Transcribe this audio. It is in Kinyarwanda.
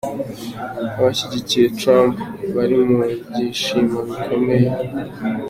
Abashyigikiye Trump bari mu byishimo bikomeye.